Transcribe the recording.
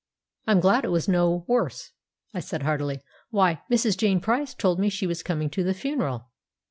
"I'm glad it was no worse," I said heartily. "Why, Mrs. Jane Price told me she was coming to the funeral."